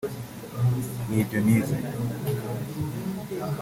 nibyo nize